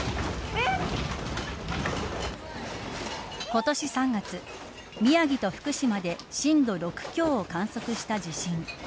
今年３月、宮城と福島で震度６強を観測した地震。